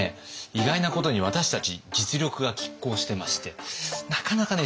意外なことに私たち実力がきっ抗してましてなかなかね